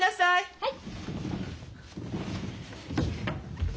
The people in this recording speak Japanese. はい！